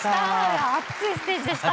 いや熱いステージでした。